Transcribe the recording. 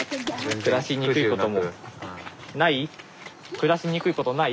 暮らしにくいこともない？